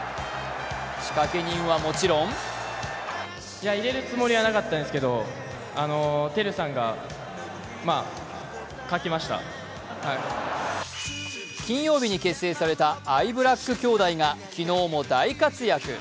仕掛け人はもちろん金曜日に結成されたアイブラック兄弟が昨日も大活躍。